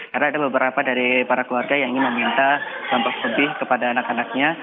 karena ada beberapa dari para keluarga yang meminta sampah sepi kepada anak anaknya